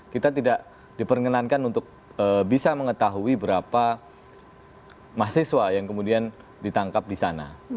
kita tidak diperkenankan untuk bisa mengetahui berapa mahasiswa yang kemudian ditangkap di sana